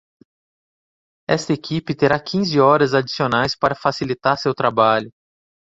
Esta equipe terá quinze horas adicionais para facilitar seu trabalho.